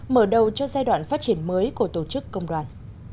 mở đầu cho giai đoạn phát triển mới của tổ chức công đoàn